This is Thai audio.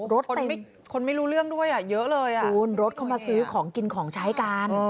คนไม่รู้เรื่องด้วยเยอะเลยอ่ะคุณรถเข้ามาซื้อของกินของใช้กัน